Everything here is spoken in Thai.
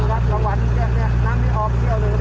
ออกวันแต่วันเจ็บเนี่ยนางมีออฟเดียวนึง